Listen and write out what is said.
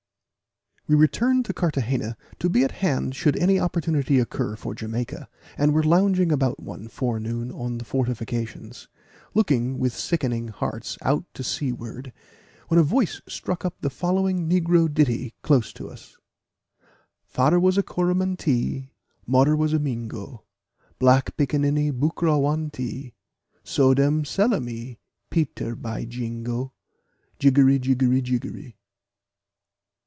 _ We returned to Carthagena, to be at hand should any opportunity occur for Jamaica, and were lounging about one forenoon on the fortifications, looking with sickening hearts out to seaward, when a voice struck up the following negro ditty close to us: "Fader was a Corramantee, Moder was a Mingo, Black picaniny buccra wantee, So dem sell a me, Peter, by jingo. Jiggery, jiggery, jiggery."